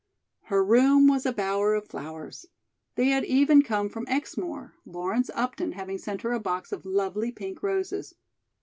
Her room was a bower of flowers. They had even come from Exmoor, Lawrence Upton having sent her a box of lovely pink roses.